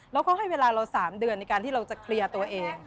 แล้วเขาให้เวลาเรา๓เดือนในการที่เราจะเคลียร์ตัวเอง